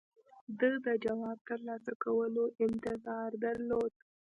ده د جواب د ترلاسه کولو انتظار درلود.